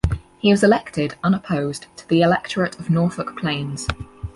He was elected, unopposed to the electorate of Norfolk Plains.